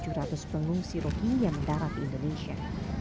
sebelumnya pengungsi rohingya mendarat indonesia